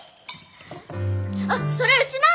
あっそれうちの！